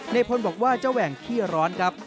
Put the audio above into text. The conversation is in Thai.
ในพลบอกว่าเจ้าแหว่งขี้ร้อนครับ